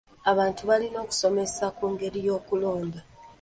Abantu balina okusomesesa ku ngeri y'okulonda.